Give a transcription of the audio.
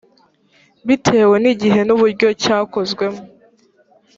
bitewe n igihe n uburyo cyakozwemo